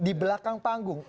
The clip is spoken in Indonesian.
di belakang panggung